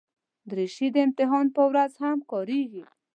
دریشي د امتحان پر ورځ هم کارېږي.